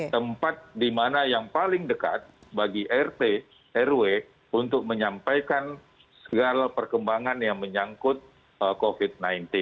tempat di mana yang paling dekat bagi rt rw untuk menyampaikan segala perkembangan yang menyangkut covid sembilan belas